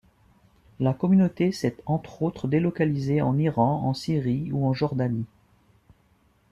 La communauté s'est entre autres délocalisée en Iran, en Syrie ou en Jordanie.